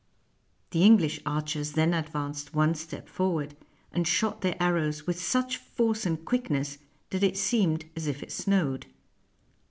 The English arch ers then advanced one step forward, and shot their arrows with such force and quickness that it seemed as if it snowed.